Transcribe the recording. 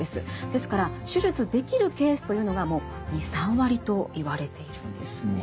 ですから手術できるケースというのが２３割といわれているんですね。